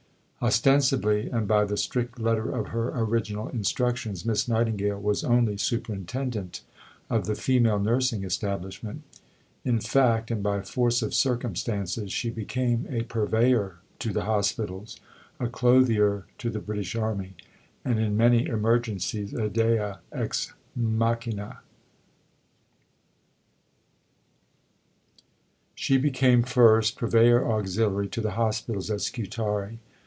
Ostensibly, and by the strict letter of her original instructions, Miss Nightingale was only Superintendent of the Female Nursing establishment. In fact, and by force of circumstances, she became a Purveyor to the Hospitals, a Clothier to the British Army, and in many emergencies a Dea ex machina. She became, first, Purveyor Auxiliary to the hospitals at Scutari.